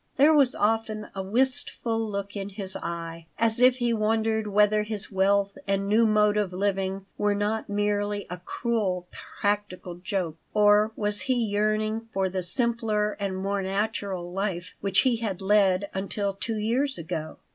There was often a wistful look in his eye, as if he wondered whether his wealth and new mode of living were not merely a cruel practical joke. Or was he yearning for the simpler and more natural life which he had led until two years ago?